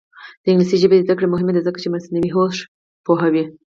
د انګلیسي ژبې زده کړه مهمه ده ځکه چې مصنوعي هوش پوهوي.